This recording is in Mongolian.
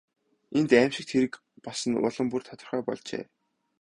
Энд аймшигт хэрэг болсон нь улам бүр тодорхой болжээ.